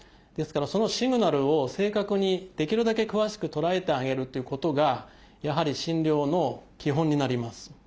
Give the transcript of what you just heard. ですからそのシグナルを正確にできるだけ詳しく捉えてあげるということがやはり診療の基本になります。